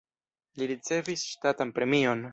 Li ricevis ŝtatan premion.